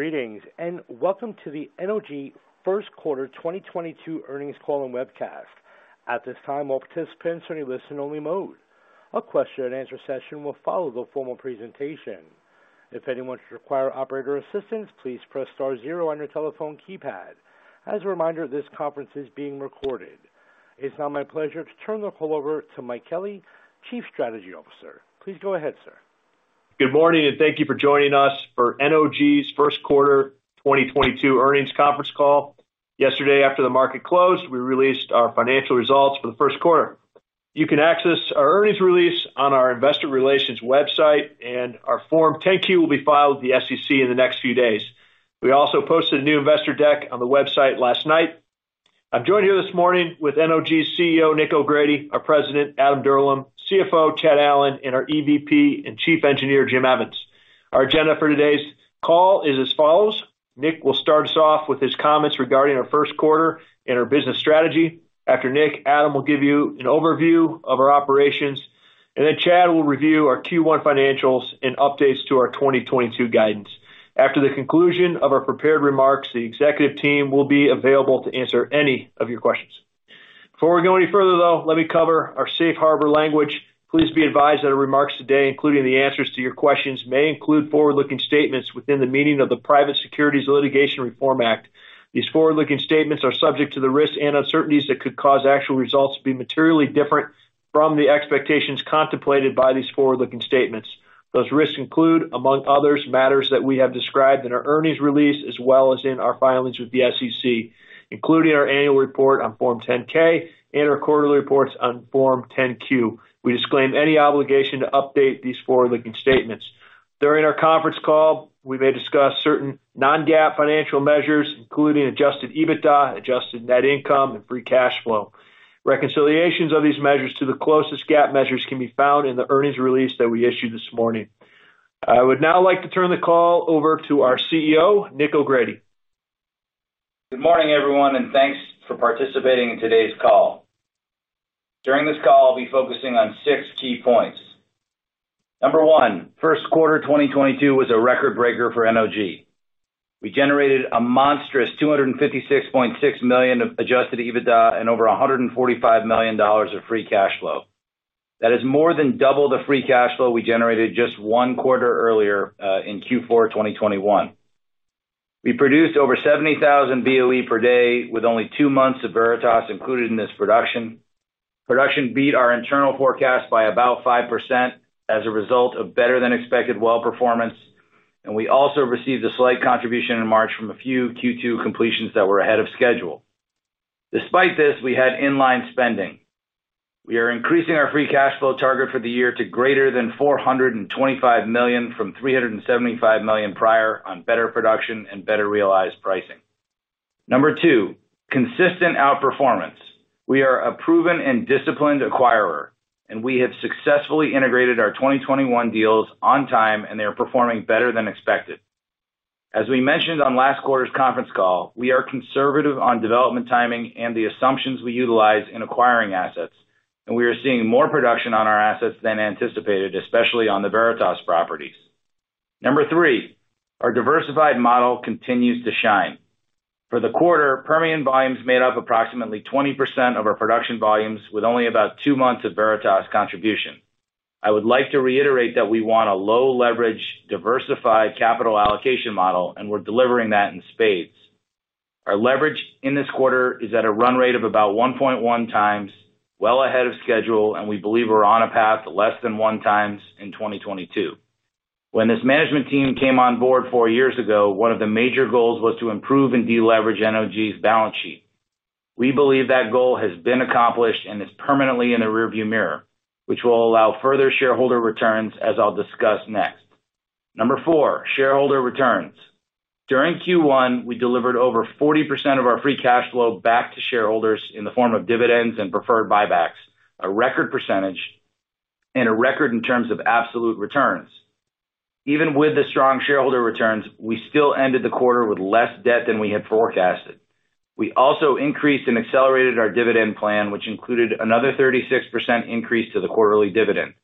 Greetings, and welcome to the NOG First Quarter 2022 Earnings Call and Webcast. At this time, all participants are in listen only mode. A question and answer session will follow the formal presentation. If anyone should require operator assistance, please press star zero on your telephone keypad. As a reminder, this conference is being recorded. It's now my pleasure to turn the call over to Mike Kelly, Chief Strategy Officer. Please go ahead, sir. Good morning, and thank you for joining us for NOG's first quarter 2022 earnings conference call. Yesterday, after the market closed, we released our financial results for the first quarter. You can access our earnings release on our Investor Relations website, and our Form 10-Q will be filed with the SEC in the next few days. We also posted a new investor deck on the website last night. I'm joined here this morning with NOG's CEO, Nick O'Grady, our president, Adam Dirlam, CFO, Chad Allen, and our EVP and Chief Engineer, Jim Evans. Our agenda for today's call is as follows. Nick will start us off with his comments regarding our first quarter and our business strategy. After Nick, Adam will give you an overview of our operations, and then Chad will review our Q1 financials and updates to our 2022 guidance. After the conclusion of our prepared remarks, the executive team will be available to answer any of your questions. Before we go any further, though, let me cover our safe harbor language. Please be advised that our remarks today, including the answers to your questions, may include forward-looking statements within the meaning of the Private Securities Litigation Reform Act. These forward-looking statements are subject to the risks and uncertainties that could cause actual results to be materially different from the expectations contemplated by these forward-looking statements. Those risks include, among others, matters that we have described in our earnings release as well as in our filings with the SEC, including our annual report on Form 10-K and our quarterly reports on Form 10-Q. We disclaim any obligation to update these forward-looking statements. During our conference call, we may discuss certain non-GAAP financial measures, including Adjusted EBITDA, Adjusted net income, and free cash flow. Reconciliations of these measures to the closest GAAP measures can be found in the earnings release that we issued this morning. I would now like to turn the call over to our CEO, Nick O'Grady. Good morning, everyone, and thanks for participating in today's call. During this call, I'll be focusing on six key points. Number one, first quarter 2022 was a record breaker for NOG. We generated a monstrous $256.6 million of Adjusted EBITDA and over $145 million of free cash flow. That is more than double the free cash flow we generated just one quarter earlier in Q4 2021. We produced over 70,000 BOE per day with only two months of Veritas included in this production. Production beat our internal forecast by about 5% as a result of better than expected well performance. We also received a slight contribution in March from a few Q2 completions that were ahead of schedule. Despite this, we had in-line spending. We are increasing our free cash flow target for the year to greater than $425 million from $375 million prior on better production and better realized pricing. Number two, consistent outperformance. We are a proven and disciplined acquirer, and we have successfully integrated our 2021 deals on time, and they are performing better than expected. As we mentioned on last quarter's conference call, we are conservative on development timing and the assumptions we utilize in acquiring assets, and we are seeing more production on our assets than anticipated, especially on the Veritas properties. Number three, our diversified model continues to shine. For the quarter, Permian volumes made up approximately 20% of our production volumes, with only about two months of Veritas contribution. I would like to reiterate that we want a low leverage, diversified capital allocation model, and we're delivering that in spades. Our leverage in this quarter is at a run rate of about 1.1x, well ahead of schedule, and we believe we're on a path to less than 1x in 2022. When this management team came on board four years ago, one of the major goals was to improve and deleverage NOG's balance sheet. We believe that goal has been accomplished and is permanently in the rearview mirror, which will allow further shareholder returns, as I'll discuss next. Number four, shareholder returns. During Q1, we delivered over 40% of our free cash flow back to shareholders in the form of dividends and preferred buybacks, a record percentage and a record in terms of absolute returns. Even with the strong shareholder returns, we still ended the quarter with less debt than we had forecasted. We also increased and accelerated our dividend plan, which included another 36% increase to the quarterly dividend.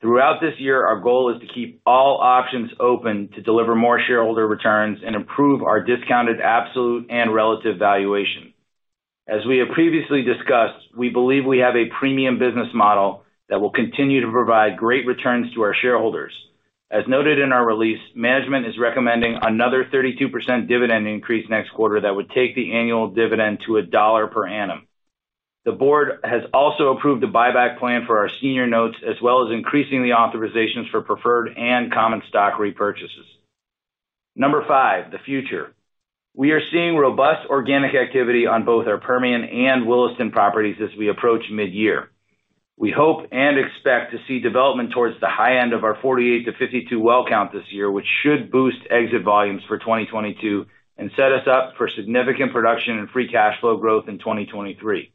Throughout this year, our goal is to keep all options open to deliver more shareholder returns and improve our discounted absolute and relative valuation. As we have previously discussed, we believe we have a premium business model that will continue to provide great returns to our shareholders. As noted in our release, management is recommending another 32% dividend increase next quarter that would take the annual dividend to $1 per annum. The board has also approved a buyback plan for our senior notes, as well as increasing the authorizations for preferred and common stock repurchases. Number five, the future. We are seeing robust organic activity on both our Permian and Williston properties as we approach mid-year. We hope and expect to see development towards the high end of our 48-52 well count this year, which should boost exit volumes for 2022 and set us up for significant production and free cash flow growth in 2023.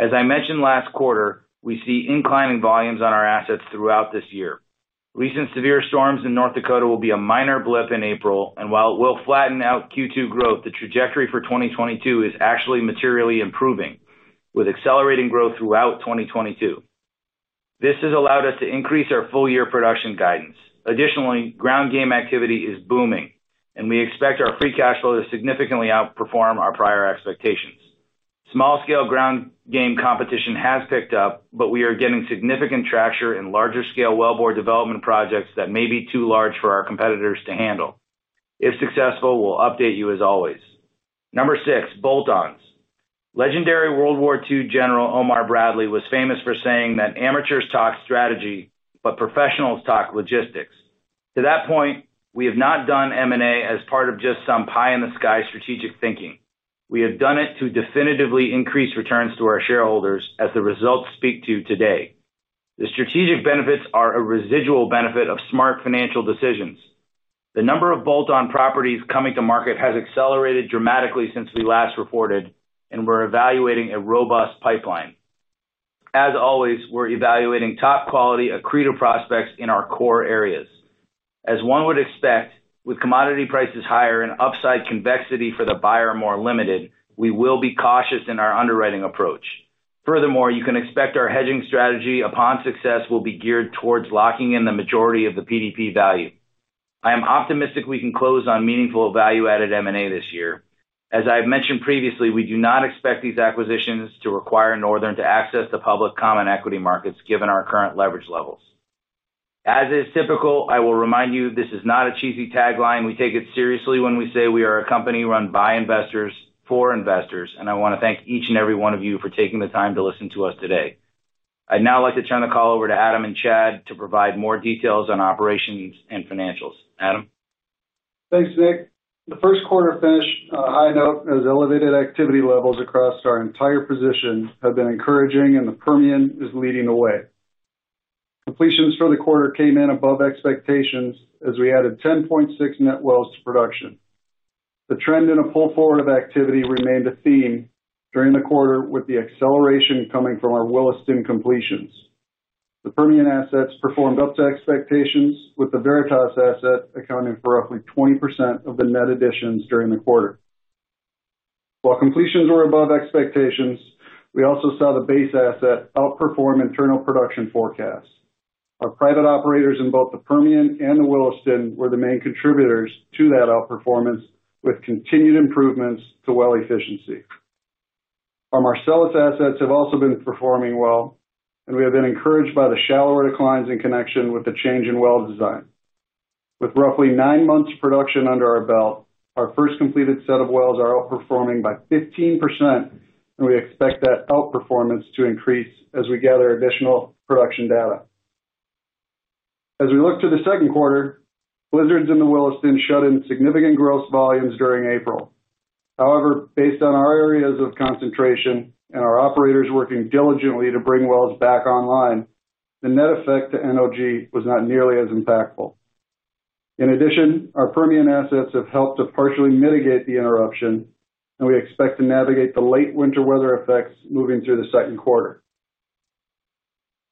As I mentioned last quarter, we see inclining volumes on our assets throughout this year. Recent severe storms in North Dakota will be a minor blip in April, and while it will flatten out Q2 growth, the trajectory for 2022 is actually materially improving, with accelerating growth throughout 2022. This has allowed us to increase our full-year production guidance. Additionally, ground game activity is booming, and we expect our free cash flow to significantly outperform our prior expectations. Small-scale ground game competition has picked up, but we are getting significant traction in larger scale wellbore development projects that may be too large for our competitors to handle. If successful, we'll update you as always. Number six, bolt-ons. Legendary World War II General Omar Bradley was famous for saying that amateurs talk strategy, but professionals talk logistics. To that point, we have not done M&A as part of just some pie in the sky strategic thinking. We have done it to definitively increase returns to our shareholders as the results speak to today. The strategic benefits are a residual benefit of smart financial decisions. The number of bolt-on properties coming to market has accelerated dramatically since we last reported, and we're evaluating a robust pipeline. As always, we're evaluating top quality accretive prospects in our core areas. As one would expect, with commodity prices higher and upside convexity for the buyer more limited, we will be cautious in our underwriting approach. Furthermore, you can expect our hedging strategy upon success will be geared towards locking in the majority of the PDP value. I am optimistic we can close on meaningful value-added M&A this year. As I've mentioned previously, we do not expect these acquisitions to require Northern to access the public common equity markets given our current leverage levels. As is typical, I will remind you this is not a cheesy tagline. We take it seriously when we say we are a company run by investors for investors, and I wanna thank each and every one of you for taking the time to listen to us today. I'd now like to turn the call over to Adam and Chad to provide more details on operations and financials. Adam? Thanks, Nick. The first quarter finished on a high note as elevated activity levels across our entire position have been encouraging, and the Permian is leading the way. Completions for the quarter came in above expectations as we added 10.6 net wells to production. The trend in a pull forward of activity remained a theme during the quarter with the acceleration coming from our Williston completions. The Permian assets performed up to expectations with the Veritas asset accounting for roughly 20% of the net additions during the quarter. While completions were above expectations, we also saw the base asset outperform internal production forecasts. Our private operators in both the Permian and the Williston were the main contributors to that outperformance with continued improvements to well efficiency. Our Marcellus assets have also been performing well, and we have been encouraged by the shallower declines in connection with the change in well design. With roughly nine months production under our belt, our first completed set of wells are outperforming by 15%, and we expect that outperformance to increase as we gather additional production data. As we look to the second quarter, blizzards in the Williston shut in significant gross volumes during April. However, based on our areas of concentration and our operators working diligently to bring wells back online, the net effect to NOG was not nearly as impactful. In addition, our Permian assets have helped to partially mitigate the interruption, and we expect to navigate the late winter weather effects moving through the second quarter.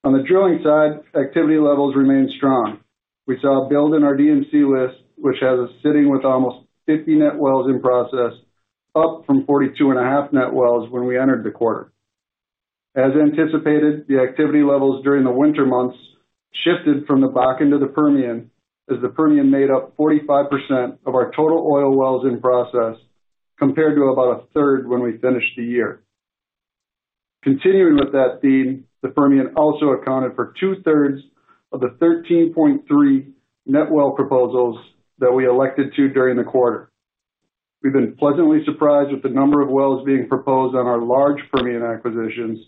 On the drilling side, activity levels remain strong. We saw a build in our D&C list, which has us sitting with almost 50 net wells in process, up from 42.5 net wells when we entered the quarter. As anticipated, the activity levels during the winter months shifted from the Bakken to the Permian, as the Permian made up 45% of our total oil wells in process compared to about 1/3 when we finished the year. Continuing with that theme, the Permian also accounted for 2/3 of the 13.3 net well proposals that we elected to during the quarter. We've been pleasantly surprised with the number of wells being proposed on our large Permian acquisitions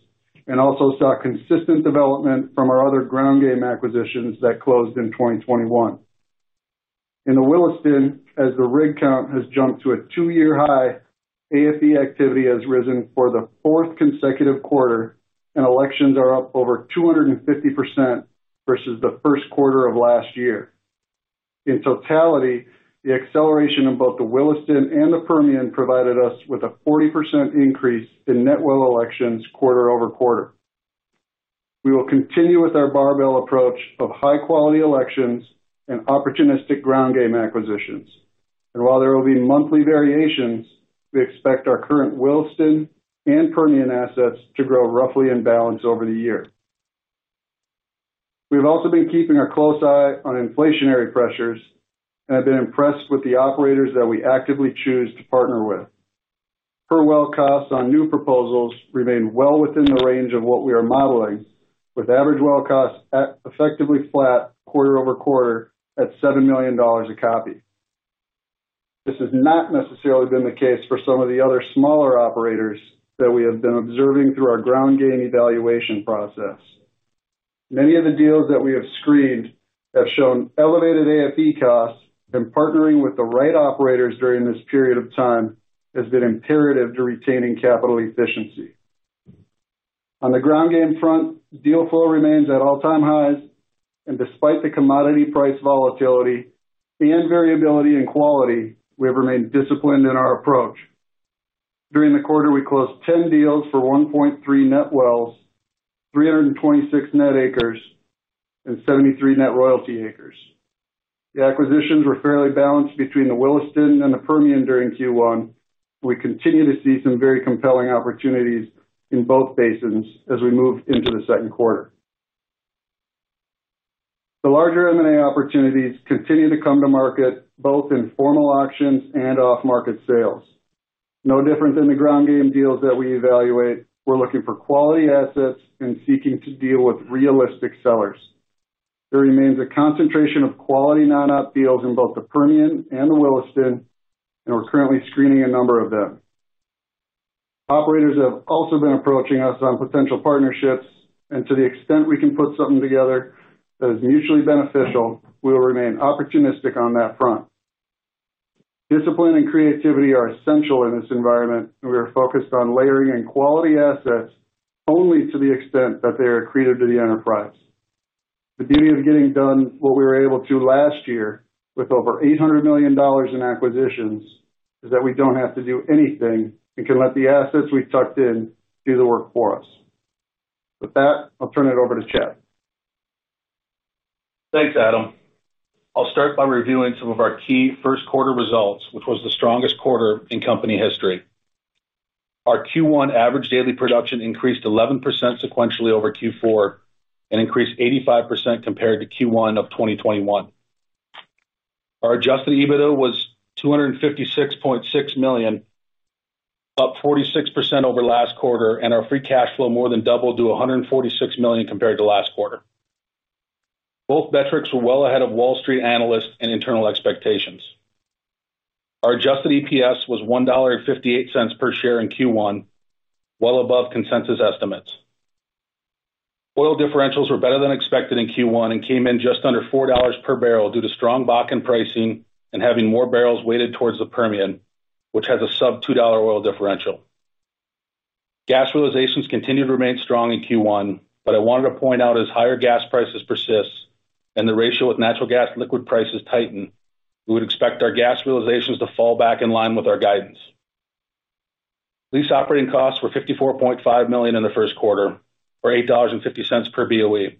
and also saw consistent development from our other ground game acquisitions that closed in 2021. In the Williston, as the rig count has jumped to a two-year high, AFE activity has risen for the fourth consecutive quarter, and elections are up over 250% versus the first quarter of last year. In totality, the acceleration in both the Williston and the Permian provided us with a 40% increase in net well elections QoQ. We will continue with our barbell approach of high-quality elections and opportunistic ground game acquisitions. While there will be monthly variations, we expect our current Williston and Permian assets to grow roughly in balance over the year. We've also been keeping a close eye on inflationary pressures and have been impressed with the operators that we actively choose to partner with. Per well costs on new proposals remain well within the range of what we are modeling, with average well costs at effectively flat QoQ at $7 million a copy. This has not necessarily been the case for some of the other smaller operators that we have been observing through our ground game evaluation process. Many of the deals that we have screened have shown elevated AFE costs, and partnering with the right operators during this period of time has been imperative to retaining capital efficiency. On the ground game front, deal flow remains at all-time highs. Despite the commodity price volatility and variability in quality, we have remained disciplined in our approach. During the quarter, we closed 10 deals for 1.3 net wells, 326 net acres, and 73 net royalty acres. The acquisitions were fairly balanced between the Williston and the Permian during Q1. We continue to see some very compelling opportunities in both basins as we move into the second quarter. The larger M&A opportunities continue to come to market, both in formal auctions and off-market sales. No difference in the ground game deals that we evaluate. We're looking for quality assets and seeking to deal with realistic sellers. There remains a concentration of quality non-op deals in both the Permian and the Williston, and we're currently screening a number of them. Operators have also been approaching us on potential partnerships, and to the extent we can put something together that is mutually beneficial, we will remain opportunistic on that front. Discipline and creativity are essential in this environment, and we are focused on layering in quality assets only to the extent that they are accretive to the enterprise. The beauty of getting done what we were able to last year with over $800 million in acquisitions is that we don't have to do anything and can let the assets we've tucked in do the work for us. With that, I'll turn it over to Chad. Thanks, Adam. I'll start by reviewing some of our key first quarter results, which was the strongest quarter in company history. Our Q1 average daily production increased 11% sequentially over Q4 and increased 85% compared to Q1 of 2021. Our Adjusted EBITDA was $256.6 million, up 46% over last quarter, and our free cash flow more than doubled to $146 million compared to last quarter. Both metrics were well ahead of Wall Street analysts and internal expectations. Our Adjusted EPS was $1.58 per share in Q1, well above consensus estimates. Oil differentials were better than expected in Q1 and came in just under $4 per barrel due to strong Bakken pricing and having more barrels weighted towards the Permian, which has a sub-$2 oil differential. Gas realizations continued to remain strong in Q1, but I wanted to point out as higher gas prices persist and the ratio with natural gas liquid prices tighten, we would expect our gas realizations to fall back in line with our guidance. Lease operating costs were $54.5 million in the first quarter, or $8.50 per BOE,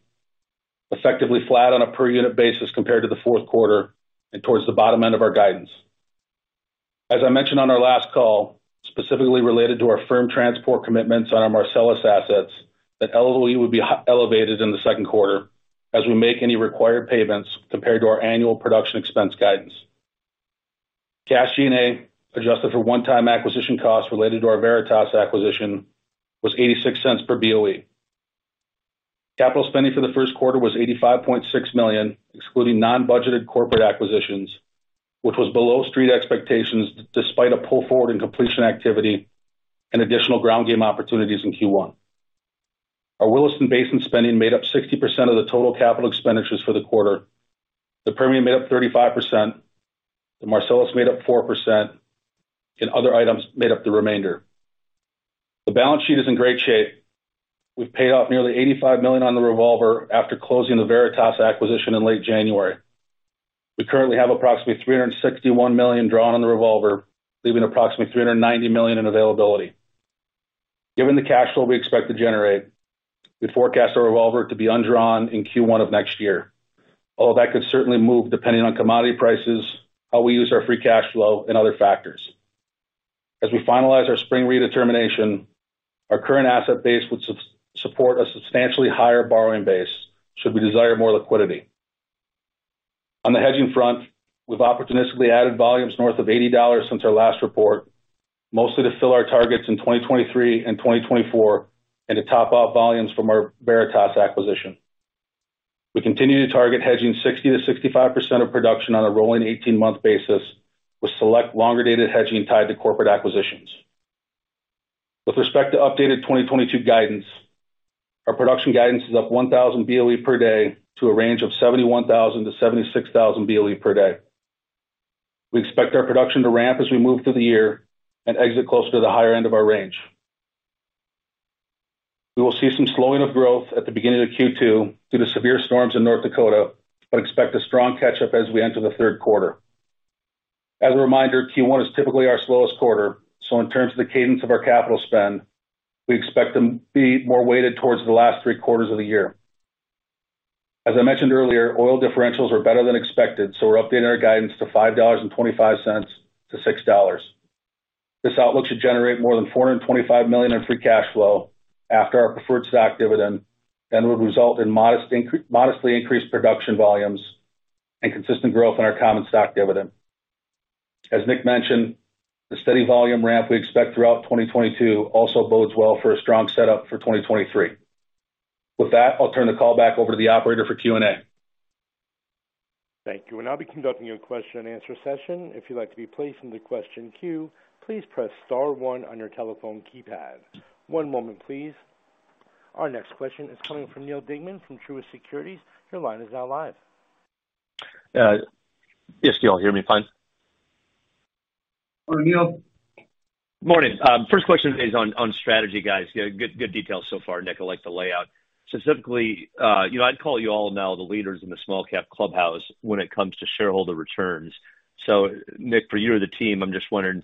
effectively flat on a per unit basis compared to the fourth quarter and towards the bottom end of our guidance. As I mentioned on our last call, specifically related to our firm transport commitments on our Marcellus assets, that LOE would be elevated in the second quarter as we make any required payments compared to our annual production expense guidance. Cash G&A, adjusted for one-time acquisition costs related to our Veritas acquisition, was $0.86 per BOE. Capital spending for the first quarter was $85.6 million, excluding non-budgeted corporate acquisitions, which was below street expectations despite a pull forward in completion activity and additional ground game opportunities in Q1. Our Williston Basin spending made up 60% of the total capital expenditures for the quarter. The Permian made up 35%, the Marcellus made up 4%, and other items made up the remainder. The balance sheet is in great shape. We've paid off nearly $85 million on the revolver after closing the Veritas acquisition in late January. We currently have approximately $361 million drawn on the revolver, leaving approximately $390 million in availability. Given the cash flow we expect to generate, we forecast our revolver to be undrawn in Q1 of next year, although that could certainly move depending on commodity prices, how we use our free cash flow, and other factors. As we finalize our spring redetermination, our current asset base would support a substantially higher borrowing base should we desire more liquidity. On the hedging front, we've opportunistically added volumes north of $80 since our last report, mostly to fill our targets in 2023 and 2024 and to top off volumes from our Veritas acquisition. We continue to target hedging 60%-65% of production on a rolling 18-month basis with select longer-dated hedging tied to corporate acquisitions. With respect to updated 2022 guidance, our production guidance is up 1,000 BOE per day to a range of 71,000-76,000 BOE per day. We expect our production to ramp as we move through the year and exit closer to the higher end of our range. We will see some slowing of growth at the beginning of Q2 due to severe storms in North Dakota, but expect a strong catch-up as we enter the third quarter. As a reminder, Q1 is typically our slowest quarter, so in terms of the cadence of our capital spend, we expect them to be more weighted towards the last three quarters of the year. As I mentioned earlier, oil differentials are better than expected, so we're updating our guidance to $5.25-$6. This outlook should generate more than $425 million in free cash flow after our preferred stock dividend and would result in modestly increased production volumes and consistent growth in our common stock dividend. As Nick mentioned, the steady volume ramp we expect throughout 2022 also bodes well for a strong setup for 2023. With that, I'll turn the call back over to the operator for Q&A. Thank you. We'll now be conducting a question and answer session. If you'd like to be placed into question queue, please press star one on your telephone keypad. One moment please. Our next question is coming from Neal Dingmann from Truist Securities. Your line is now live. Yes. Can you all hear me fine? Morning, Neal. Morning. First question is on strategy, guys. You know, good details so far, Nick. I like the layout. Specifically, you know, I'd call you all now the leaders in the small cap clubhouse when it comes to shareholder returns. Nick, for you or the team, I'm just wondering.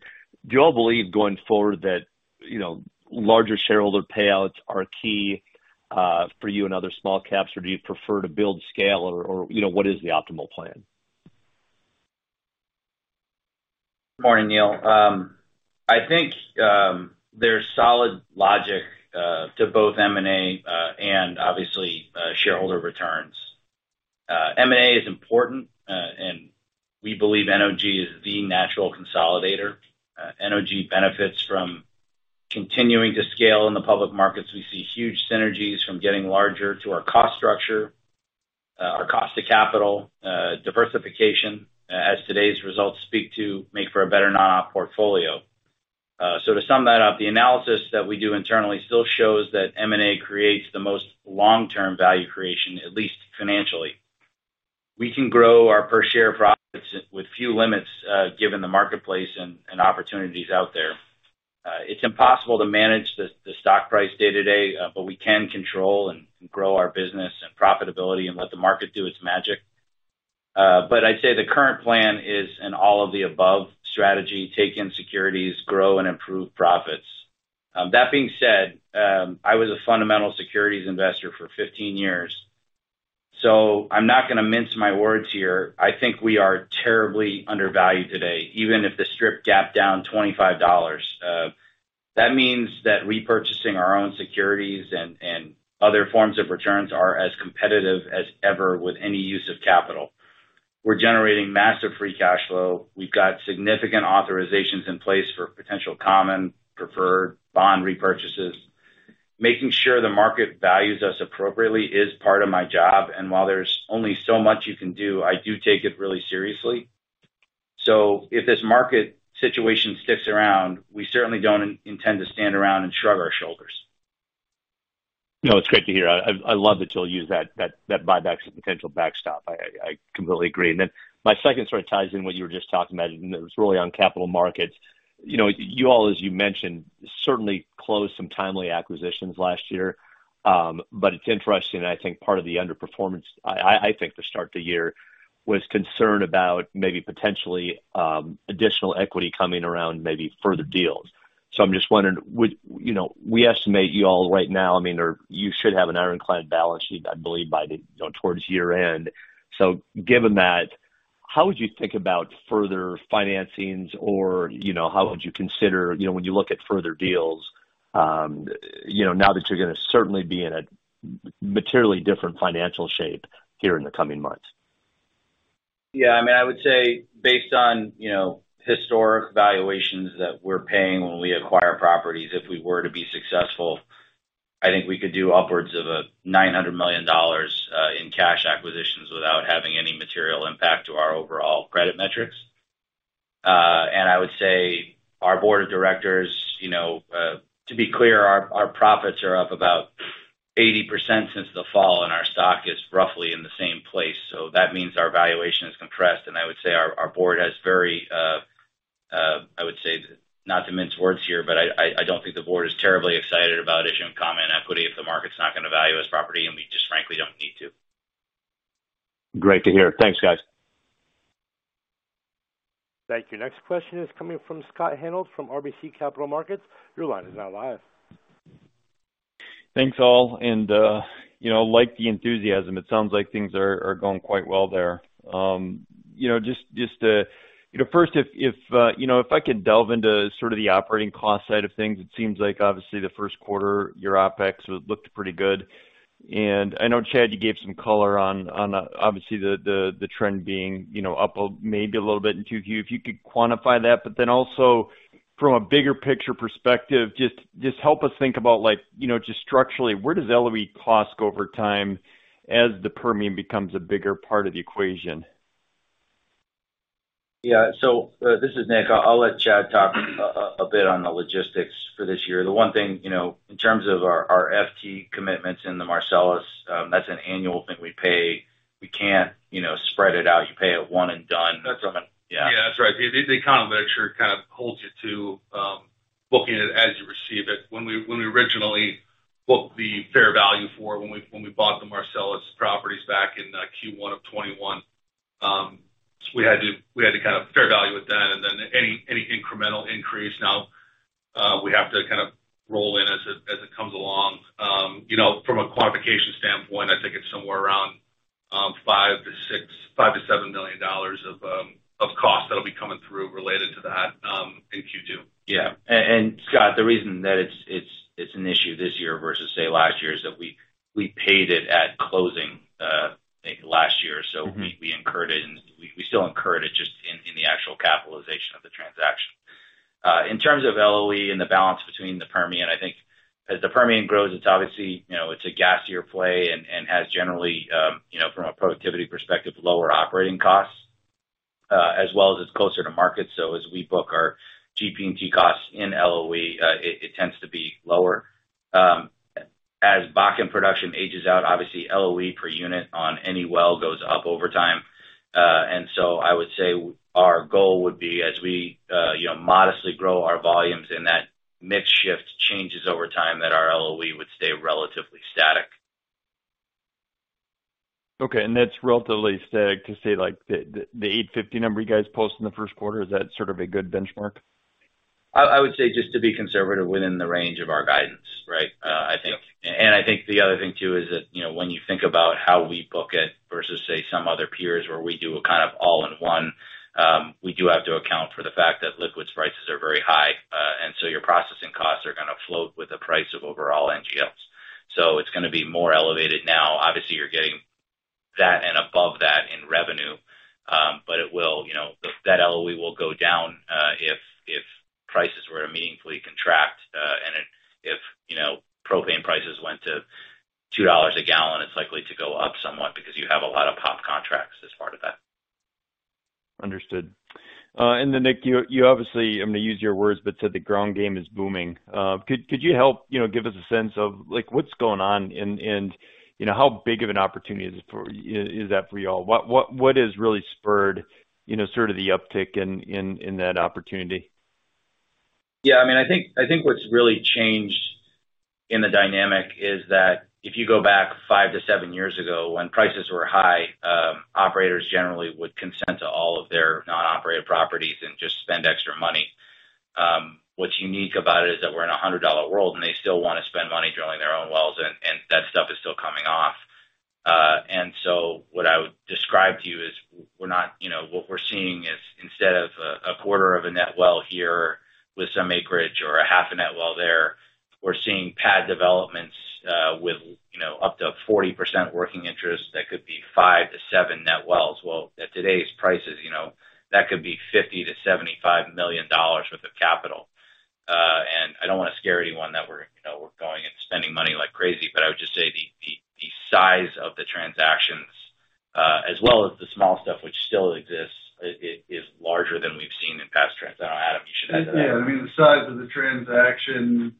Do you all believe going forward that, you know, larger shareholder payouts are key, for you and other small caps? Or do you prefer to build scale or, you know, what is the optimal plan? Morning, Neal. I think there's solid logic to both M&A and obviously shareholder returns. M&A is important and we believe NOG is the natural consolidator. NOG benefits from continuing to scale in the public markets. We see huge synergies from getting larger to our cost structure, our cost to capital, diversification, as today's results speak to make for a better non-op portfolio. So to sum that up, the analysis that we do internally still shows that M&A creates the most long-term value creation, at least financially. We can grow our per share profits with few limits given the marketplace and opportunities out there. It's impossible to manage the stock price day-to-day but we can control and grow our business and profitability and let the market do its magic. I'd say the current plan is an all of the above strategy, take in securities, grow and improve profits. That being said, I was a fundamental securities investor for 15 years, so I'm not gonna mince my words here. I think we are terribly undervalued today, even if the strip gapped down $25. That means that repurchasing our own securities and other forms of returns are as competitive as ever with any use of capital. We're generating massive free cash flow. We've got significant authorizations in place for potential common, preferred bond repurchases. Making sure the market values us appropriately is part of my job, and while there's only so much you can do, I do take it really seriously. If this market situation sticks around, we certainly don't intend to stand around and shrug our shoulders. No, it's great to hear. I love that you'll use that buyback as a potential backstop. I completely agree. Then my second sort of ties in what you were just talking about, and it was really on capital markets. You know, you all, as you mentioned, certainly closed some timely acquisitions last year. But it's interesting, and I think part of the underperformance. I think the start of the year was concerned about maybe potentially additional equity coming around, maybe further deals. So I'm just wondering would. You know, we estimate you all right now, I mean, or you should have an ironclad balance sheet, I believe, by the you know towards year-end. Given that, how would you think about further financings or, you know, how would you consider, you know, when you look at further deals, you know, now that you're gonna certainly be in a materially different financial shape here in the coming months? Yeah. I mean, I would say based on, you know, historic valuations that we're paying when we acquire properties, if we were to be successful, I think we could do upwards of $900 million in cash acquisitions without having any material impact to our overall credit metrics. I would say our Board of Directors, you know. To be clear, our profits are up about 80% since the fall, and our stock is roughly in the same place. That means our valuation is compressed. I would say our board has very, I would say, not to mince words here, but I don't think the board is terribly excited about issuing common equity if the market's not gonna value this property, and we just frankly don't need to. Great to hear. Thanks, guys. Thank you. Next question is coming from Scott Hanold from RBC Capital Markets. Your line is now live. Thanks, all. You know, like the enthusiasm, it sounds like things are going quite well there. You know, first, if I could delve into sort of the operating cost side of things, it seems like obviously the first quarter, your OpEx looked pretty good. I know, Chad, you gave some color on obviously the trend being you know, up maybe a little bit in Q2, if you could quantify that. Then also from a bigger picture perspective, just help us think about, like, you know, just structurally, where does LOE cost go over time as the Permian becomes a bigger part of the equation? Yeah. This is Nick. I'll let Chad talk a bit on the logistics for this year. The one thing, you know, in terms of our FT commitments in the Marcellus, that's an annual thing we pay. We can't, you know, spread it out. You pay it one and done. That's right. Yeah. Yeah, that's right. The economics of it sure kind of holds you to booking it as you receive it. When we originally booked the fair value for it, when we bought the Marcellus properties back in Q1 of 2021, we had to kind of fair value it then and then any incremental increase now, we have to kind of roll in as it comes along. You know, from a quantification standpoint, I think it's somewhere around $5-$7 million of costs that'll be coming through related to that in Q2. Yeah. Scott, the reason that it's an issue this year versus say last year is that we paid it at closing, I think last year. We incurred it and we still incurred it just in the actual capitalization of the transaction. In terms of LOE and the balance between the Permian, I think as the Permian grows, it's obviously, you know, it's a gassier play and has generally, you know, from a productivity perspective, lower operating costs, as well as it's closer to market. As we book our GP&T costs in LOE, it tends to be lower. As Bakken production ages out, obviously LOE per unit on any well goes up over time. I would say our goal would be as we, you know, modestly grow our volumes and that mix shift changes over time, that our LOE would stay relatively static. Okay. That's relatively static to say, like, the $850 number you guys post in the first quarter, is that sort of a good benchmark? I would say just to be conservative within the range of our guidance, right? I think the other thing too is that, you know, when you think about how we book it versus say some other peers where we do a kind of all-in-one, we do have to account for the fact that liquids prices are very high, and so your processing costs are gonna float with the price of overall NGLs. It's gonna be more elevated now. Obviously, you're getting that and above that in revenue, but it will, you know, that LOE will go down, if prices were to meaningfully contract, and it. If, you know, propane prices went to $2 a gallon, it's likely to go up somewhat because you have a lot of POP contracts as part of that. Understood. Nick, you obviously, I'm gonna use your words, but you said the ground game is booming. Could you help, you know, give us a sense of like what's going on and, you know, how big of an opportunity is it for y'all? What has really spurred, you know, sort of the uptick in that opportunity? Yeah. I mean, I think what's really changed in the dynamic is that if you go back 5-7 years ago when prices were high, operators generally would consent to all of their non-operated properties and just spend extra money. What's unique about it is that we're in a $100 world, and they still wanna spend money drilling their own wells and that stuff is still coming off. What I would describe to you is what we're seeing is instead of a quarter of a net well here with some acreage or a half a net well there, we're seeing pad developments with you know up to 40% working interest that could be 5-7 net wells. Well, at today's prices, you know, that could be $50 million-$75 million worth of capital. I don't wanna scare anyone that we're, you know, we're going and spending money like crazy, but I would just say the size of the transactions, as well as the small stuff which still exists, it is larger than we've seen in past trends. I don't know, Adam, you should add to that. Yeah. I mean, the size of the transaction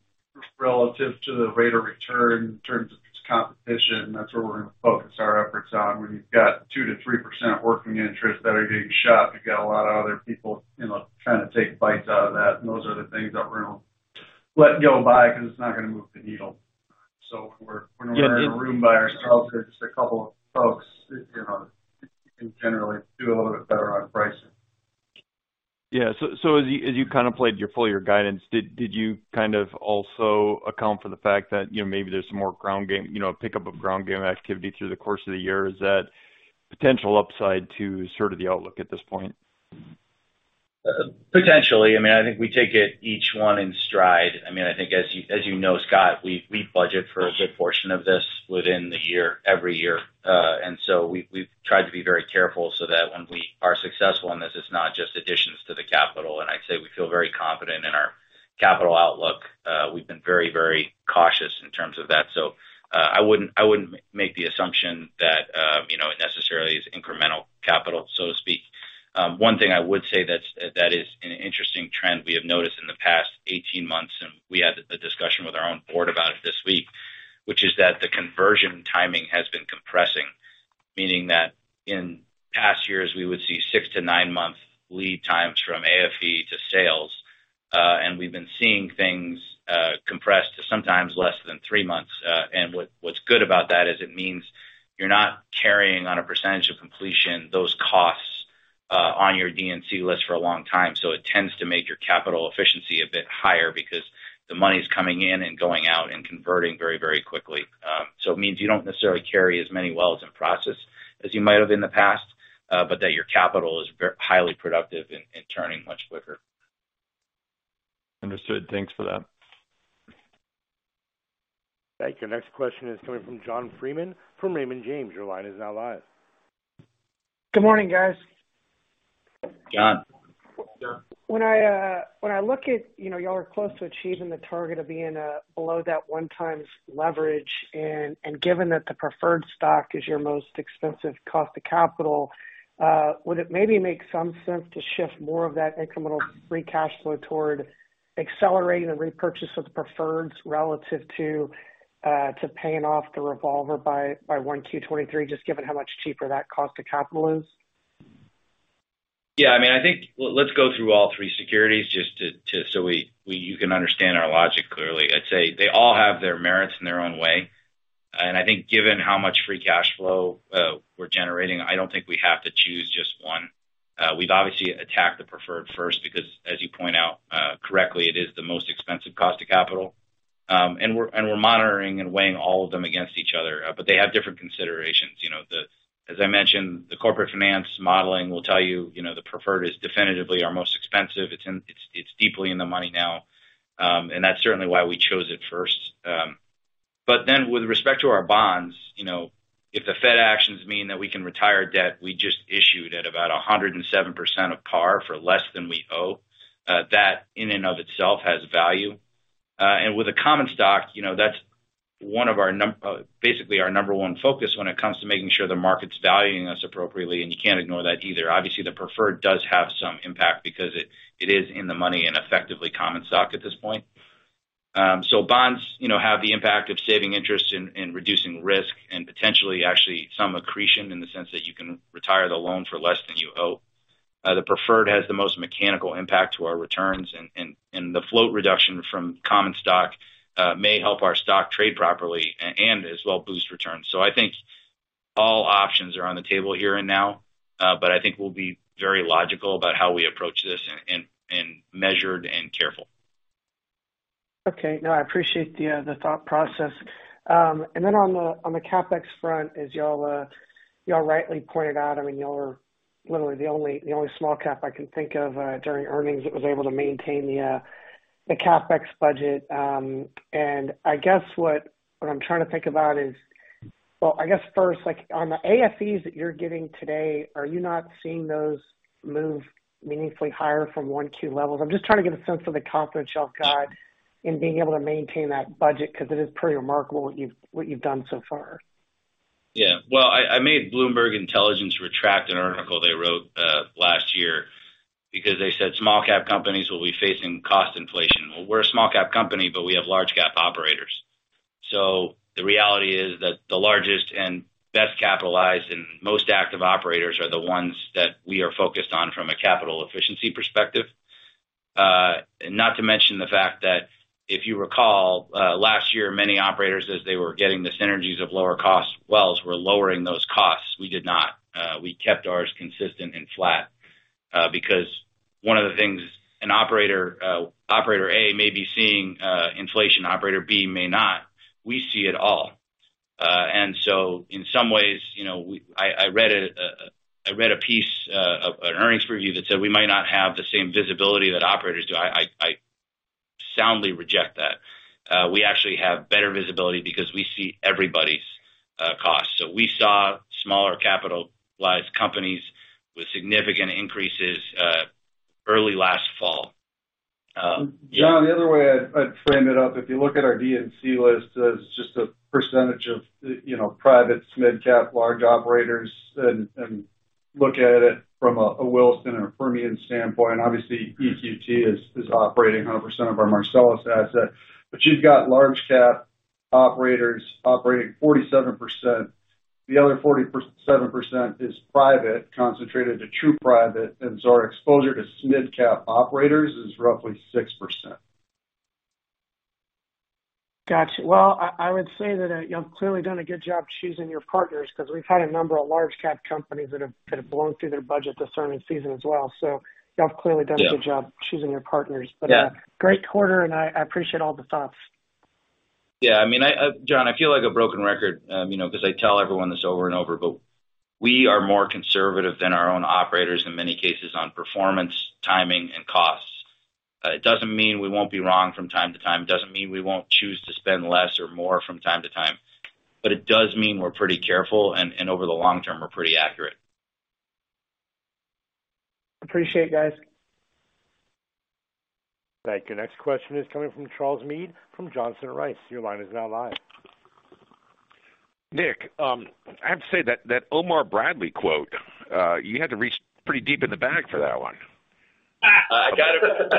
relative to the rate of return in terms of competition, that's where we're gonna focus our efforts on. When you've got 2%-3% working interest that are getting shot, you've got a lot of other people, you know, trying to take bites out of that, and those are the things that we're gonna let go by because it's not gonna move the needle. When we're in a room by ourselves with just a couple of folks, you know, we can generally do a little bit better on pricing. Yeah. As you kind of played your full year guidance, did you kind of also account for the fact that, you know, maybe there's some more ground game, you know, pickup of ground game activity through the course of the year? Is that potential upside to sort of the outlook at this point? Potentially. I mean, I think we take it each one in stride. I mean, I think as you know, Scott, we budget for a good portion of this within the year every year. We've tried to be very careful so that when we are successful in this, it's not just additions to the capital. I'd say we feel very confident in our capital outlook. We've been very, very cautious in terms of that. I wouldn't make the assumption that, you know, it necessarily is incremental capital, so to speak. One thing I would say that is an interesting trend we have noticed in the past 18 months, and we had a discussion with our own board about it this week, which is that the conversion timing has been compressing. Meaning that in past years, we would see 6-9-month lead times from AFE to sales, and we've been seeing things compressed to sometimes less than three months. What's good about that is it means you're not carrying on a percentage of completion those costs on your D&C list for a long time. It tends to make your capital efficiency a bit higher because the money's coming in and going out and converting very, very quickly. It means you don't necessarily carry as many wells in process as you might have in the past, but that your capital is highly productive and turning much quicker. Understood. Thanks for that. Thank you. Next question is coming from John Freeman from Raymond James. Your line is now live. Good morning, guys. John. John. When I look at, you know, y'all are close to achieving the target of being below that 1x leverage, and given that the preferred stock is your most expensive cost of capital, would it maybe make some sense to shift more of that incremental free cash flow toward accelerating the repurchase of the preferreds relative to paying off the revolver by Q1 2023, just given how much cheaper that cost of capital is? Yeah. I mean, I think let's go through all three securities just to you can understand our logic clearly. I'd say they all have their merits in their own way. I think given how much free cash flow we're generating, I don't think we have to choose just one. We've obviously attacked the preferred first because, as you point out, correctly, it is the most expensive cost of capital. We're monitoring and weighing all of them against each other, but they have different considerations. You know, as I mentioned, the corporate finance modeling will tell you know, the preferred is definitively our most expensive. It's deeply in the money now. That's certainly why we chose it first. With respect to our bonds, you know, if the Fed actions mean that we can retire debt we just issued at about 107% of par for less than we owe, that in and of itself has value. With the common stock, you know, that's one of our basically our number one focus when it comes to making sure the market's valuing us appropriately, and you can't ignore that either. Obviously, the preferred does have some impact because it is in the money and effectively common stock at this point. Bonds, you know, have the impact of saving interest and reducing risk and potentially actually some accretion in the sense that you can retire the loan for less than you owe. The preferred has the most mechanical impact to our returns, and the float reduction from common stock may help our stock trade properly and as well boost returns. I think all options are on the table here and now, but I think we'll be very logical about how we approach this and measured and careful. Okay. No, I appreciate the thought process. On the CapEx front, as y'all rightly pointed out, I mean, y'all are literally the only small cap I can think of during earnings that was able to maintain the CapEx budget. I guess what I'm trying to think about is. Well, I guess first, like on the AFEs that you're giving today, are you not seeing those move meaningfully higher from 2022 levels? I'm just trying to get a sense of the confidence y'all got in being able to maintain that budget because it is pretty remarkable what you've done so far. Yeah. Well, I made Bloomberg Intelligence retract an article they wrote last year because they said small cap companies will be facing cost inflation. Well, we're a small cap company, but we have large cap operators. The reality is that the largest and best capitalized and most active operators are the ones that we are focused on from a capital efficiency perspective. Not to mention the fact that if you recall, last year, many operators, as they were getting the synergies of lower cost wells, were lowering those costs. We did not. We kept ours consistent and flat, because one of the things an operator A may be seeing, inflation, operator B may not. We see it all. In some ways, you know, I soundly reject that. We actually have better visibility because we see everybody's costs. We saw smaller capitalized companies with significant increases early last fall. John, the other way I'd frame it up, if you look at our D&C list as just a percentage of, you know, private mid cap large operators and look at it from a Williston or a Permian standpoint, obviously, EQT is operating 100% of our Marcellus asset. You've got large cap operators operating 47%. The other 47% is private, concentrated to true private. Our exposure to mid cap operators is roughly 6%. Got you. Well, I would say that you have clearly done a good job choosing your partners because we've had a number of large cap companies that have blown through their budget this earnings season as well. Y'all have clearly done a good job. Yeah. choosing your partners. Yeah. Great quarter, and I appreciate all the thoughts. Yeah. I mean, I, John, I feel like a broken record, you know, because I tell everyone this over and over, but we are more conservative than our own operators in many cases on performance, timing, and costs. It doesn't mean we won't be wrong from time to time. It doesn't mean we won't choose to spend less or more from time to time. It does mean we're pretty careful, and over the long term, we're pretty accurate. Appreciate it, guys. Thank you. Next question is coming from Charles Meade from Johnson Rice. Your line is now live. Nick, I have to say that Omar Bradley quote, you had to reach pretty deep in the bag for that one. I got it.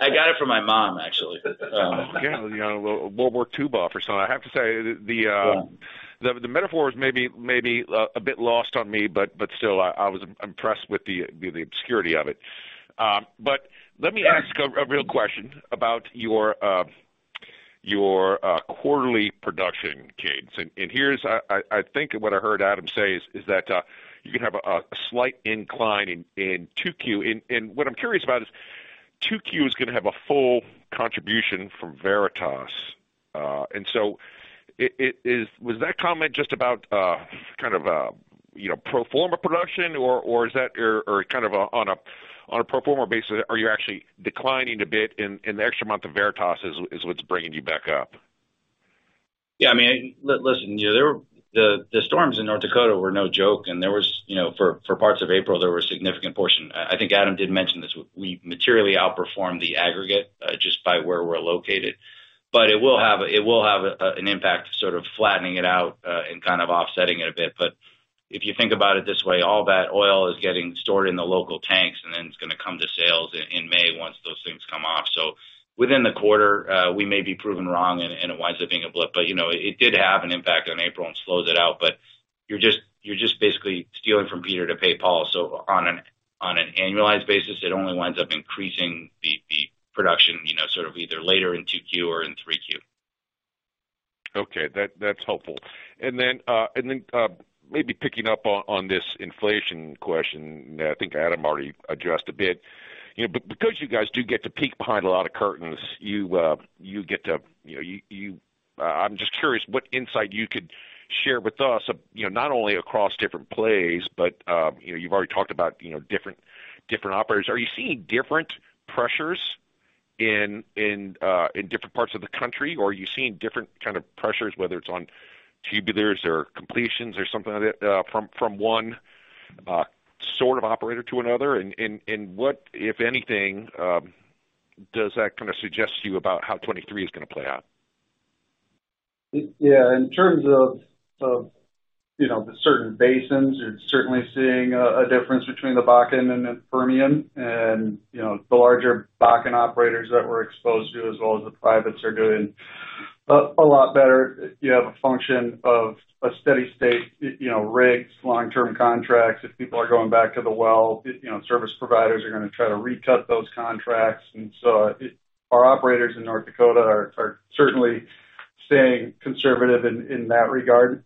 I got it from my mom, actually. Yeah. You know, World War II buff or something. I have to say the metaphor is maybe a bit lost on me, but still, I was impressed with the obscurity of it. Let me ask a real question about your quarterly production cadence. Here's what I think I heard Adam say is that you have a slight incline in Q2. What I'm curious about is Q2 is gonna have a full contribution from Veritas. Was that comment just about kind of you know pro forma production or is that? On a pro forma basis, are you actually declining a bit and the extra month of Veritas is what's bringing you back up? Yeah. I mean, listen, you know, the storms in North Dakota were no joke, and there was, you know, for parts of April, there were a significant portion. I think Adam did mention this. We materially outperformed the aggregate just by where we're located. It will have an impact sort of flattening it out and kind of offsetting it a bit. If you think about it this way, all that oil is getting stored in the local tanks, and then it's gonna come to sales in May once those things come off. Within the quarter, we may be proven wrong and it winds up being a blip. You know, it did have an impact on April and slows it out. You're just basically stealing from Peter to pay Paul. On an annualized basis, it only winds up increasing the production, you know, sort of either later in Q2 or in Q3. Okay. That's helpful. Maybe picking up on this inflation question that I think Adam already addressed a bit. You know, because you guys do get to peek behind a lot of curtains, you get to, you know. I'm just curious what insight you could share with us, you know, not only across different plays, but, you know, you've already talked about, you know, different operators. Are you seeing different pressures in different parts of the country? Or are you seeing different kind of pressures, whether it's on tubulars or completions or something like that, from one sort of operator to another? What, if anything, does that kinda suggest to you about how 2023 is gonna play out? Yeah. In terms of, you know, the certain basins, you're certainly seeing a difference between the Bakken and the Permian. You know, the larger Bakken operators that we're exposed to as well as the privates are doing a lot better. You have a function of a steady state, you know, rigs, long-term contracts. If people are going back to the well, you know, service providers are gonna try to recut those contracts. Our operators in North Dakota are certainly staying conservative in that regard,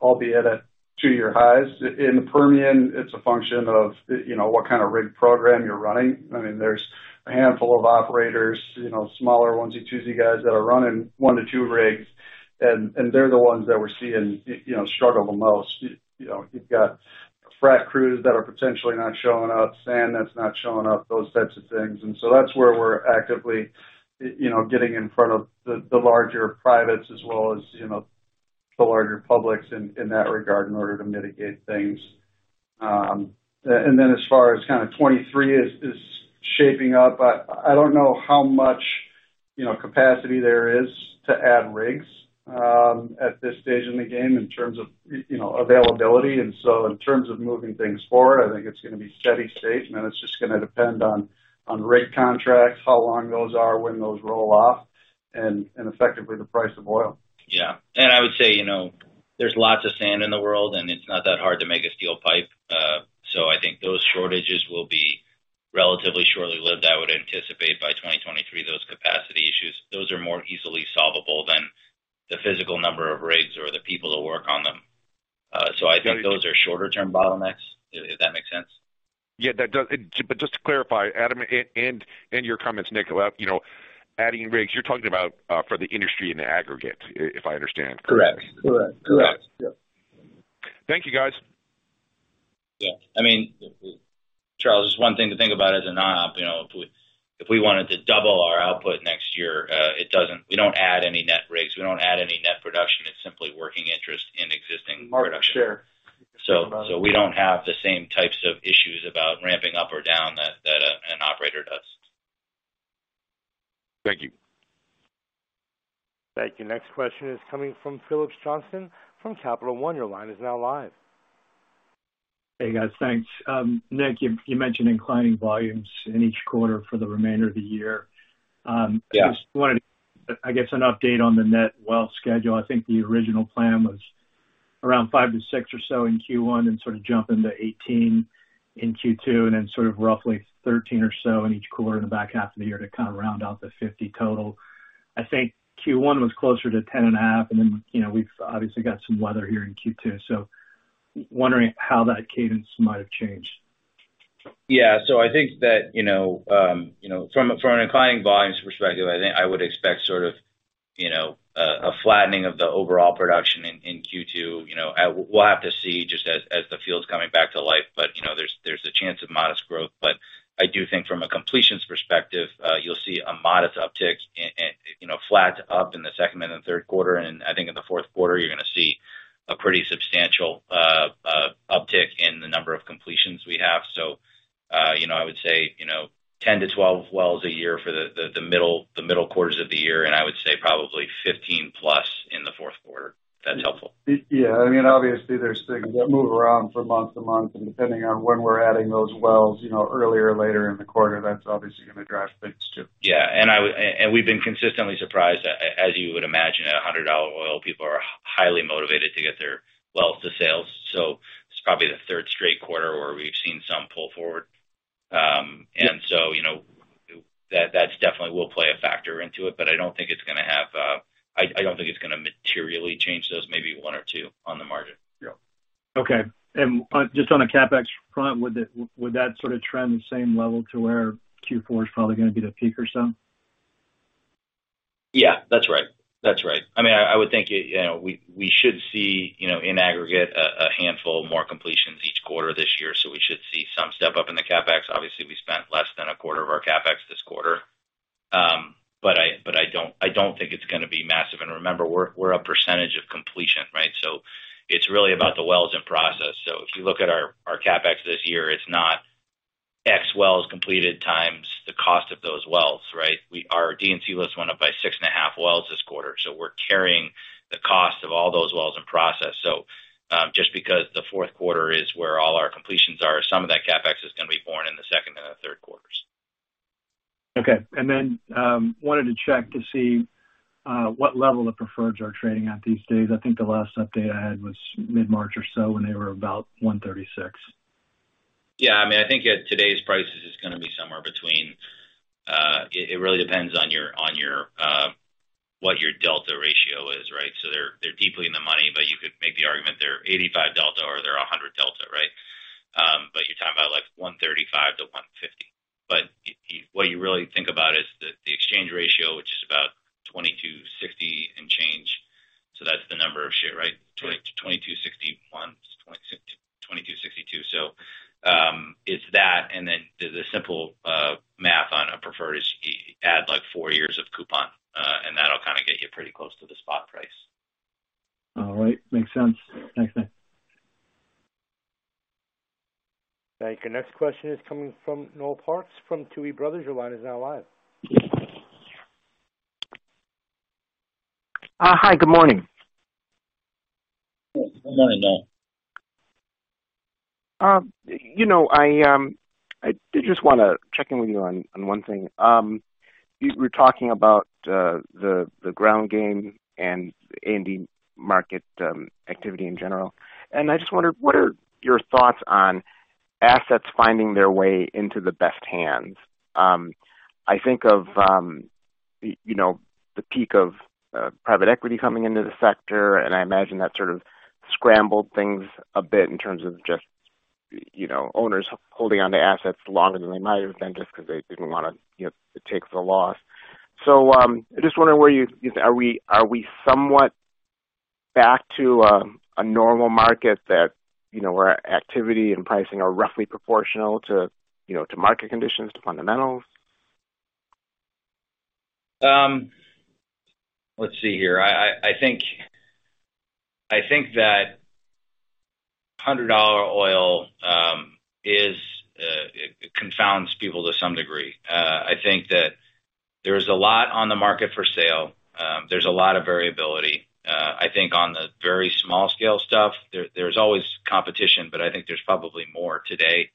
albeit at two-year highs. In the Permian, it's a function of, you know, what kind of rig program you're running. I mean, there's a handful of operators, you know, smaller ones, your twosie guys that are running 1-2 rigs, and they're the ones that we're seeing, you know, struggle the most. You know, you've got frac crews that are potentially not showing up, sand that's not showing up, those types of things. That's where we're actively, you know, getting in front of the larger privates as well as, you know, the larger publics in that regard in order to mitigate things. And then as far as kinda 2023 is shaping up, I don't know how much, you know, capacity there is to add rigs at this stage in the game in terms of, you know, availability. In terms of moving things forward, I think it's gonna be steady state, and then it's just gonna depend on rig contracts, how long those are, when those roll off, and effectively the price of oil. Yeah. I would say, you know, there's lots of sand in the world, and it's not that hard to make a steel pipe. So I think those shortages will be relatively short-lived. I would anticipate by 2023 those capacity issues. Those are more easily solvable than the physical number of rigs or the people that work on them. So I think those are shorter term bottlenecks, if that makes sense. Yeah, that does. Just to clarify, Adam, and your comments, Nick, you know, adding rigs, you're talking about for the industry in the aggregate, if I understand correctly? Correct. Correct. Yep. Thank you, guys. Yeah. I mean, Charles, just one thing to think about as an op, you know, if we wanted to double our output next year. We don't add any net rigs, we don't add any net production. It's simply working interest in existing production. Market share. We don't have the same types of issues about ramping up or down that an operator does. Thank you. Thank you. Next question is coming from Phillips Johnston from Capital One. Your line is now live. Hey, guys. Thanks. Nick, you mentioned inclining volumes in each quarter for the remainder of the year. Yeah. Just wanted, I guess, an update on the net well schedule. I think the original plan was around 5-6 or so in Q1 and sort of jumping to 18 in Q2, and then sort of roughly 13 or so in each quarter in the back half of the year to kind of round out the 50 total. I think Q1 was closer to 10.5, and then, you know, we've obviously got some weather here in Q2. Wondering how that cadence might have changed. Yeah. I think that, you know, from an increasing volumes perspective, I think I would expect sort of, you know, a flattening of the overall production in Q2. You know, we'll have to see just as the field's coming back to life. There's a chance of modest growth. I do think from a completions perspective, you'll see a modest uptick in, you know, flat to up in the second and the third quarter. I think in the fourth quarter, you're gonna see a pretty substantial uptick in the number of completions we have. You know, I would say 10-12 wells a year for the middle quarters of the year, and I would say probably 15+ in the fourth quarter, if that's helpful. Yeah. I mean, obviously there's things that move around from month to month, and depending on when we're adding those wells, you know, earlier or later in the quarter, that's obviously gonna drive things too. Yeah. We've been consistently surprised. As you would imagine, at $100 oil, people are highly motivated to get their wells to sales. It's probably the third straight quarter where we've seen some pull forward. You know, that's definitely will play a factor into it, but I don't think it's gonna have. I don't think it's gonna materially change those, maybe one or two on the margin. Yeah. Okay. Just on a CapEx front, would that sort of trend the same level to where Q4 is probably gonna be the peak or so? Yeah. That's right. I mean, I would think, you know, we should see, you know, in aggregate a handful more completions each quarter this year. We should see some step up in the CapEx. Obviously, we spent less than a quarter of our CapEx this quarter. But I don't think it's gonna be massive. Remember, we're a percentage of completion, right? It's really about the wells in process. If you look at our CapEx this year, it's not X wells completed times the cost of those wells, right? Our D&C list went up by six and a half wells this quarter. We're carrying the cost of all those wells in process. Just because the fourth quarter is where all our completions are, some of that CapEx is gonna be borne in the second and the third quarters. Okay. Wanted to check to see what level the preferreds are trading at these days. I think the last update I had was mid-March or so when they were about $136. Yeah. I mean, I think at today's prices, it's gonna be somewhere between. It really depends on your what your delta ratio is, right? So they're deeply in the money, but you could make the argument they're 85 delta or they're 100 delta, right? But you're talking about, like, $1.35-$1.50. But you... What you really think about is the exchange ratio, which is about $22.60 in change. So that's the number of shares, right? $22.61, $22.62. So it's that, and then the simple math on a preferred is you add, like, four years of coupon, and that'll kinda get you pretty close to the spot price. All right. Makes sense. Thanks, Nick. Thank you. Next question is coming from Noel Parks from Tuohy Brothers. Your line is now live. Hi, good morning. Morning Noel. You know, I did just wanna check in with you on one thing. You were talking about the ground game and in the market activity in general, and I just wondered what are your thoughts on assets finding their way into the best hands? I think of you know, the peak of private equity coming into the sector, and I imagine that sort of scrambled things a bit in terms of just you know, owners holding onto assets longer than they might have been just 'cause they didn't wanna you know, take the loss. I just wondering, are we somewhat back to a normal market that you know, where activity and pricing are roughly proportional to you know, to market conditions, to fundamentals? Let's see here. I think that $100 oil is it confounds people to some degree. I think that there is a lot on the market for sale. There's a lot of variability. I think on the very small scale stuff there's always competition, but I think there's probably more today.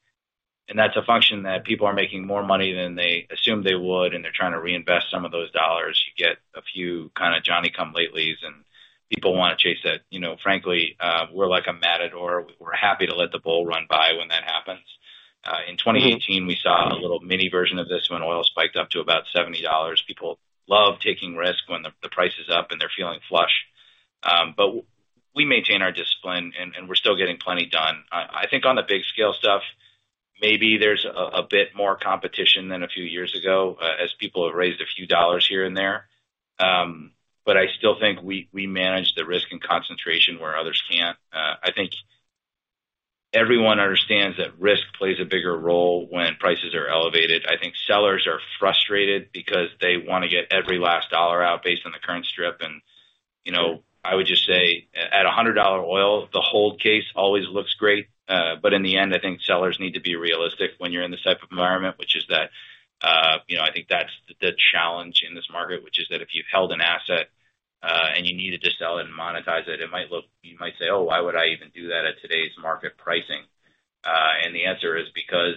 That's a function that people are making more money than they assumed they would, and they're trying to reinvest some of those dollars. You get a few kinda Johnny-come-latelies, and people wanna chase it. You know, frankly, we're like a matador. We're happy to let the bull run by when that happens. In 2018, we saw a little mini version of this when oil spiked up to about $70. People love taking risks when the price is up, and they're feeling flush. We maintain our discipline, and we're still getting plenty done. I think on the big scale stuff, maybe there's a bit more competition than a few years ago, as people have raised a few dollars here and there. I still think we manage the risk and concentration where others can't. I think everyone understands that risk plays a bigger role when prices are elevated. I think sellers are frustrated because they wanna get every last dollar out based on the current strip. You know, I would just say at $100 oil, the hold case always looks great. In the end, I think sellers need to be realistic when you're in this type of environment, which is that, you know, I think that's the challenge in this market, which is that if you've held an asset, and you needed to sell it and monetize it might look. You might say, "Oh, why would I even do that at today's market pricing?" The answer is because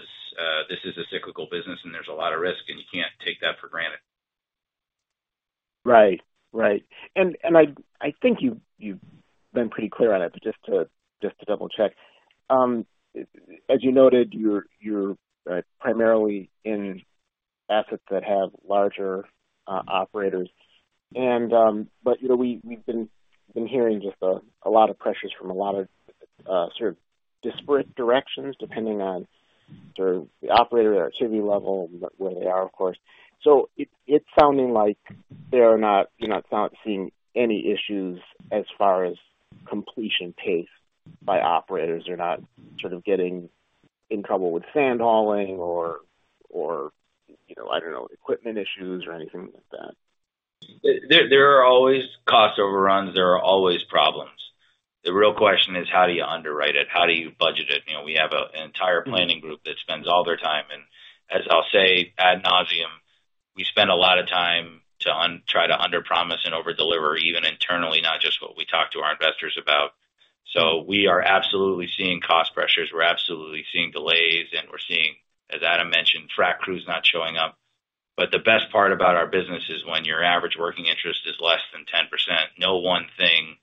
this is a cyclical business and there's a lot of risk, and you can't take that for granted. Right. I think you've been pretty clear on it, but just to double-check. As you noted, you're primarily in assets that have larger operators, and we've been hearing a lot of pressures from a lot of sort of disparate directions, depending on sort of the operator or activity level and where they are, of course. It's sounding like you're not seeing any issues as far as completion pace by operators. They're not sort of getting in trouble with sand hauling or you know, I don't know, equipment issues or anything like that. There are always cost overruns. There are always problems. The real question is. How do you underwrite it? How do you budget it? You know, we have an entire planning group that spends all their time. As I'll say ad nauseam, we spend a lot of time to try to underpromise and overdeliver, even internally, not just what we talk to our investors about. We are absolutely seeing cost pressures. We're absolutely seeing delays, and we're seeing, as Adam mentioned, frac crews not showing up. The best part about our business is when your average working interest is less than 10%, no one thing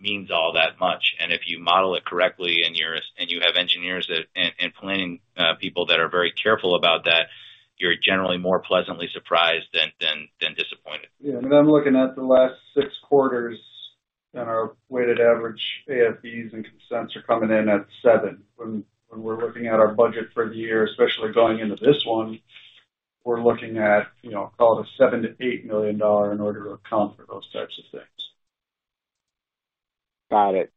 means all that much. If you model it correctly and you have engineers and planning people that are very careful about that, you're generally more pleasantly surprised than disappointed. Yeah. I mean, I'm looking at the last six quarters, and our weighted average AFEs and consents are coming in at $7 million. When we're looking at our budget for the year, especially going into this one, we're looking at, you know, call it $7-$8 million in order to account for those types of things. Got it.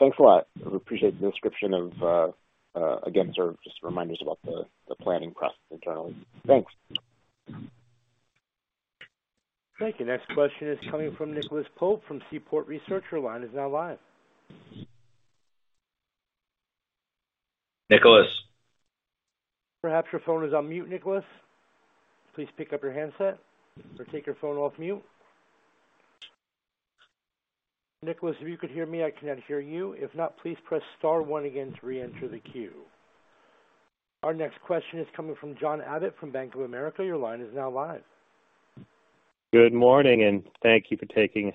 Thanks a lot. I appreciate the description of, again, sort of just remind us about the planning process internally. Thanks. Thank you. Next question is coming from Nicholas Pope from Seaport Research Partners. Your line is now live. Nicholas? Perhaps your phone is on mute, Nicholas. Please pick up your handset or take your phone off mute. Nicholas, if you could hear me, I cannot hear you. If not, please press star one again to reenter the queue. Our next question is coming from John Abbott from Bank of America. Your line is now live. Good morning, and thank you for taking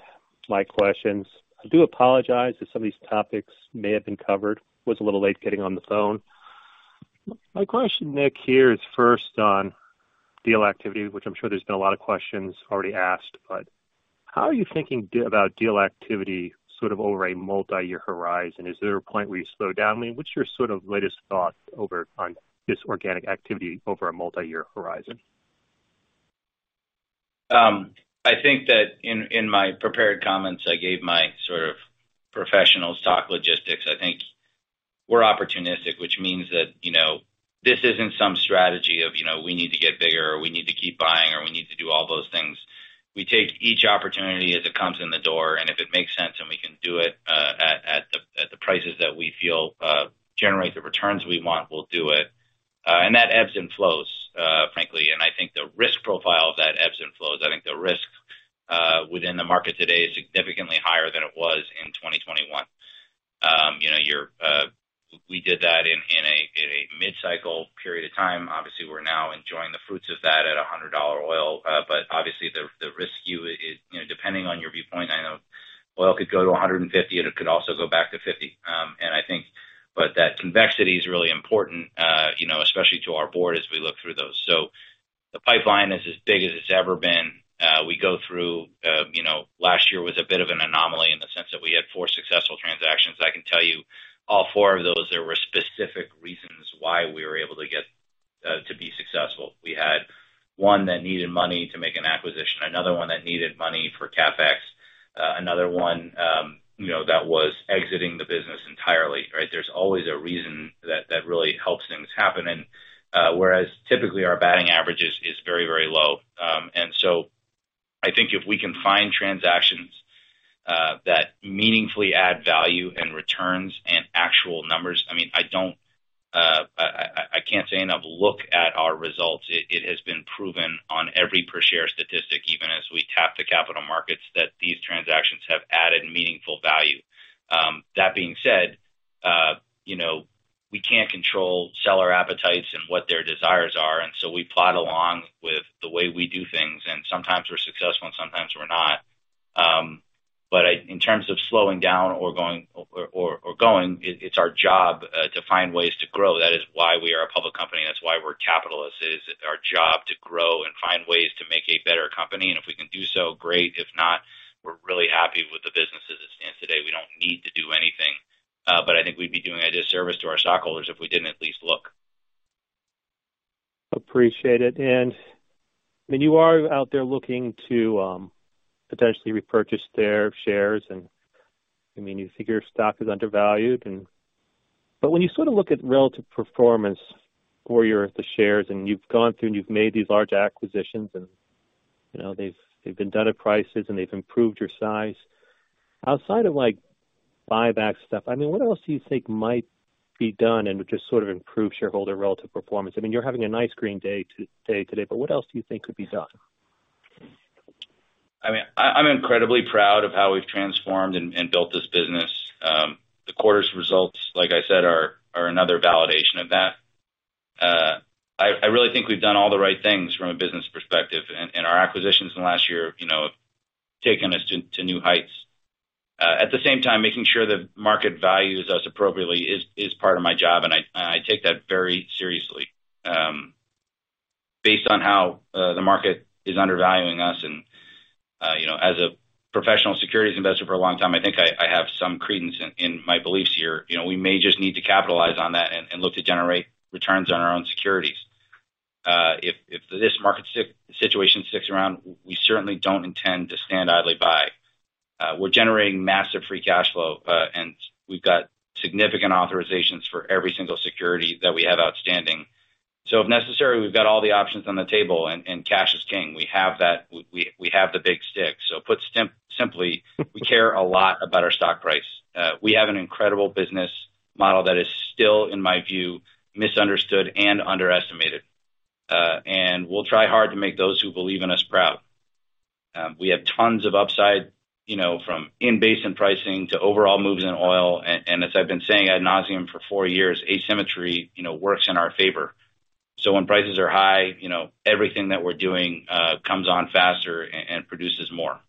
my questions. I do apologize if some of these topics may have been covered. Was a little late getting on the phone. My question, Nick, here is first on deal activity, which I'm sure there's been a lot of questions already asked, but how are you thinking about deal activity sort of over a multi-year horizon? Is there a point where you slow down? I mean, what's your sort of latest thought over on this organic activity over a multi-year horizon? I think that in my prepared comments, I gave my sort of professional stock outlook. I think we're opportunistic, which means that, you know, this isn't some strategy of, you know, we need to get bigger or we need to keep buying or we need to do all those things. We take each opportunity as it comes in the door, and if it makes sense and we can do it at the prices that we feel generate the returns we want, we'll do it. That ebbs and flows, frankly, and I think the risk profile of that ebbs and flows. I think the risk within the market today is significantly higher than it was in 2021. You know, we did that in a mid-cycle period of time. Obviously, we're now enjoying the fruits of that at $100 oil. Obviously the risk, you know, depending on your viewpoint, I know oil could go to $150, and it could also go back to $50. I think that convexity is really important, you know, especially to our board as we look through those. The pipeline is as big as it's ever been. We go through, you know, last year was a bit of an anomaly in the sense that we had four successful transactions. I can tell you all four of those, there were specific reasons why we were able to get to be successful. We had one that needed money to make an acquisition, another one that needed money for CapEx, another one, you know, that was exiting the business entirely, right? There's always a reason that really helps things happen. Whereas typically our batting average is very, very low. I think if we can find transactions that meaningfully add value and returns and actual numbers, I mean, I can't say enough, look at our results. It has been proven on every per share statistic, even as we tap the capital markets, that these transactions have added meaningful value. That being said, you know, we can't control seller appetites and what their desires are, and so we plod along with the way we do things, and sometimes we're successful and sometimes we're not. In terms of slowing down or going, it's our job to find ways to grow. That is why we are a public company. That's why we're capitalists. It is our job to grow and find ways to make a better company. If we can do so, great. If not, we're really happy with the business as it stands today. We don't need to do anything. I think we'd be doing a disservice to our stockholders if we didn't at least look. Appreciate it. When you are out there looking to potentially repurchase their shares, and I mean, you figure stock is undervalued. When you sort of look at relative performance for your, the shares and you've gone through and you've made these large acquisitions and, you know, they've been done at prices and they've improved your size. Outside of, like, buyback stuff, I mean, what else do you think might be done and just sort of improve shareholder relative performance? I mean, you're having a nice green day today, but what else do you think could be done? I mean, I'm incredibly proud of how we've transformed and built this business. The quarter's results, like I said, are another validation of that. I really think we've done all the right things from a business perspective and our acquisitions in the last year, you know, have taken us to new heights. At the same time, making sure the market values us appropriately is part of my job, and I take that very seriously. Based on how the market is undervaluing us and you know, as a professional securities investor for a long time, I think I have some credence in my beliefs here. You know, we may just need to capitalize on that and look to generate returns on our own securities. If this market situation sticks around, we certainly don't intend to stand idly by. We're generating massive free cash flow, and we've got significant authorizations for every single security that we have outstanding. If necessary, we've got all the options on the table and cash is king. We have that. We have the big stick. Put simply, we care a lot about our stock price. We have an incredible business model that is still, in my view, misunderstood and underestimated. We'll try hard to make those who believe in us proud. We have tons of upside, you know, from in-basin pricing to overall moves in oil. As I've been saying ad nauseam for four years, asymmetry, you know, works in our favor. When prices are high, you know, everything that we're doing comes on faster and produces more.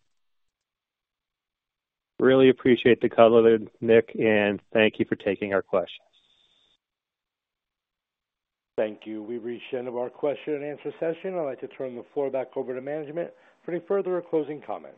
Really appreciate the color, Nick, and thank you for taking our questions. Thank you. We've reached the end of our question and answer session. I'd like to turn the floor back over to management for any further or closing comments.